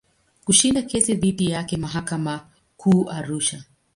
Kushinda kesi dhidi yake mahakama Kuu Arusha.